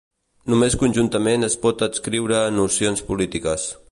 només conjunturalment es pot adscriure a nocions polítiques